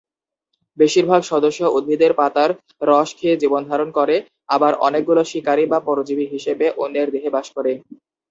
বেশিরভাগ সদস্য উদ্ভিদের পাতার রস খেয়ে জীবন-ধারণ করে আবার অনেকগুলো শিকারি বা পরজীবী হিসেবে অন্যের দেহে বাস করে।